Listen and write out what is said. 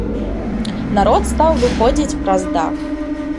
Народ стаў выходзіць праз дах.